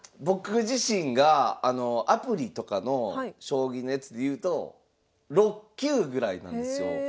僕自身がアプリとかの将棋のやつでいうと６級ぐらいなんですよ。